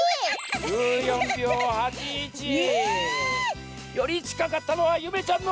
え！よりちかかったのはゆめちゃんの。